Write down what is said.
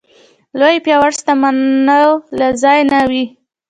لوی پياوړ شتمنو له ځایه نه وي.